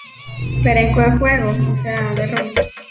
Empezó y terminó su carrera en el Patriotas Boyacá de Colombia.